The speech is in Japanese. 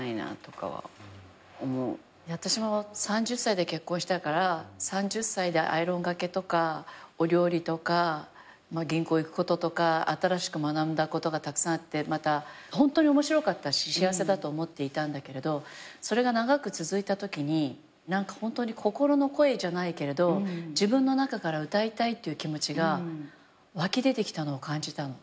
私も３０歳で結婚したから３０歳でアイロンがけとかお料理とか銀行行くこととか新しく学んだことがたくさんあってホントに面白かったし幸せだと思っていたんだけれどそれが長く続いたときに心の声じゃないけれど自分の中から歌いたいという気持ちが湧き出てきたのを感じたの。